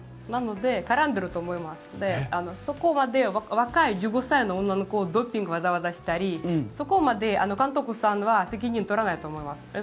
なので絡んでいると思いますのでそこまで若い１５歳の女の子をドーピング、わざわざしたりそこまで監督さんは責任を取らないと思います。